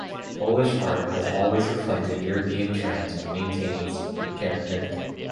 Polish art has always reflected European trends while maintaining its unique character.